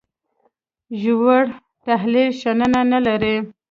ژور تحلیل شننه نه لري.